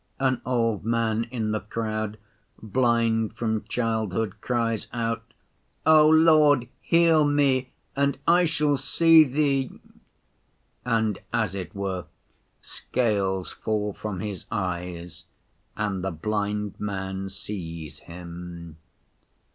An old man in the crowd, blind from childhood, cries out, 'O Lord, heal me and I shall see Thee!' and, as it were, scales fall from his eyes and the blind man sees Him.